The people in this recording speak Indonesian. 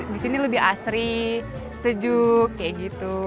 di sini lebih asri sejuk kayak gitu